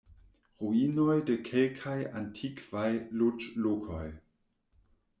Ruinoj de kelkaj antikvaj loĝlokoj.